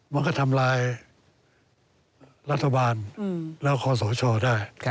มันก็ทำลายรัฐบาลแล้วคอสชได้